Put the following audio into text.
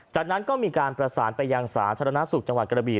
จากนั้นก็มีการประสานไปยังสาธารณสุขจังหวัดกระบี